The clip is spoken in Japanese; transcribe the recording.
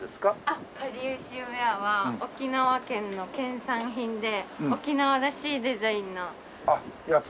かりゆしウェアは沖縄県の県産品で沖縄らしいデザインの。やつ？